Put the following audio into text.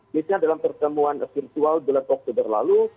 misalnya dalam pertemuan virtual bulan oktober lalu